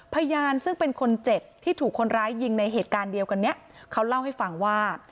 พยานซึ่งเป็นคนเจ็บที่ถูกคนร้ายยิงในเหตุการณ์เดียวกันนี้เขาเล่าให้ฟังว่า